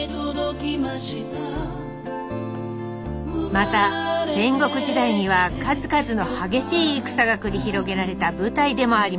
また戦国時代には数々の激しい戦が繰り広げられた舞台でもあります